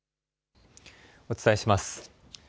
お伝えします。